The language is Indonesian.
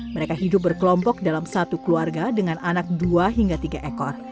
mereka hidup berkelompok dalam satu keluarga dengan anak dua hingga tiga ekor